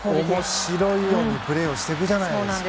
面白いようにプレーするじゃないですか。